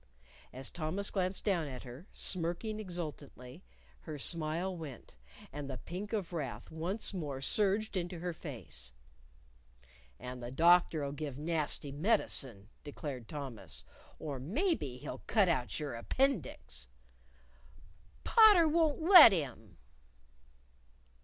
As Thomas glanced down at her, smirking exultantly, her smile went, and the pink of wrath once more surged into her face. "And the doctor'll give nasty medicine," declared Thomas, "or maybe he'll cut out your appendix!" "Potter won't let him."